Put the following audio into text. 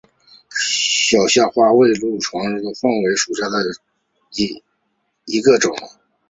小虾花为爵床科尖尾凤属下的一个种。